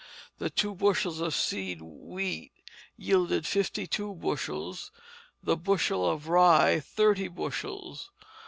The two bushels of seed wheat yielded fifty two bushels, the bushel of rye thirty bushels.